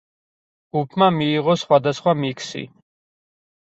ჯგუფმა მიიღო სხვადასხვა მიქსი.